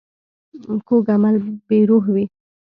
کوږ عمل بې روح وي